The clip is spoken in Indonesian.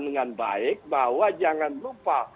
dengan baik bahwa jangan lupa